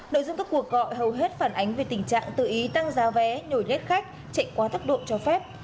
nội dung các cuộc gọi hầu hết phản ánh về tình trạng tự ý tăng giá vé nhồi ghét khách chạy qua thác độ cho phép